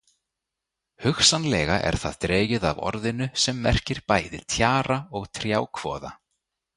Hugsanlega er það dregið af orðinu sem merkir bæði tjara og trjákvoða.